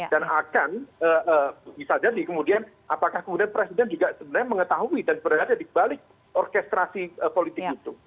dan akan bisa jadi kemudian apakah kemudian presiden juga sebenarnya mengetahui dan berada di balik orkestrasi politik itu